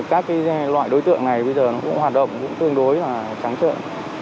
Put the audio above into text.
các cái loại đối tượng này bây giờ nó cũng hoạt động cũng tương đối là trắng trợ